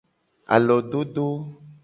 Alododo.